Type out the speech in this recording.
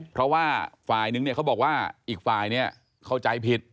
เพราะว่าฝ่ายนึงเนี่ยเขาบอกว่าอีกฝ่ายเนี่ยเข้าใจผิด